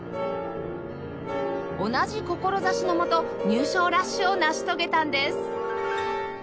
同じ志のもと入賞ラッシュを成し遂げたんです